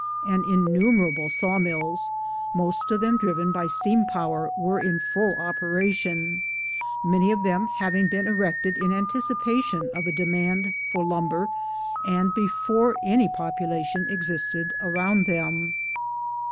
'and innumerable saw mills, most of them driven by steam power, were in full operation, many of them having been erected in anticipation of a demand for limaber, and before any population existed around them.